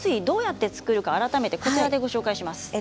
どうやって作るのかこちらでご紹介します。